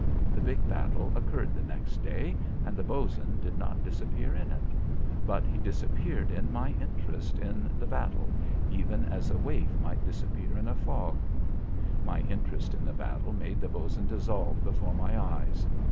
The big battle occurred the next day, and the Bos'n did not disappear in it; but he disappeared in my interest in the battle, even as a waif might disappear in a fog. My interest in the battle made the Bos'n dissolve before my eyes.